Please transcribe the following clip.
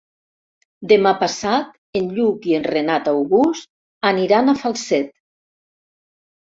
Demà passat en Lluc i en Renat August aniran a Falset.